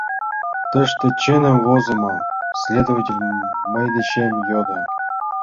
«Тыште чыным возымо?» — следователь мый дечем йодо.